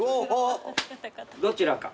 どちらか。